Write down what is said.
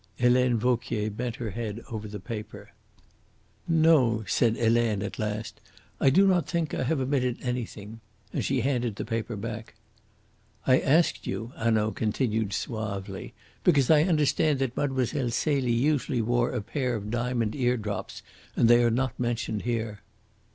Helene Vauquier bent her head over the paper. "No," said Helene at last. "I do not think I have omitted anything." And she handed the paper back. "I asked you," Hanaud continued suavely, "because I understand that Mlle. Celie usually wore a pair of diamond ear drops, and they are not mentioned here."